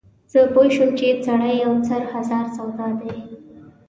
زه پوی شوم چې سړی یو سر هزار سودا دی.